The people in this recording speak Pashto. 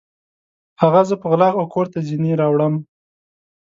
هغه زه په غلا وکور ته ځیني راوړم